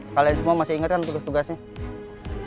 kalian semua masih ingatkan tugas tugasnya